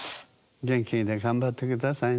元気で頑張って下さいね。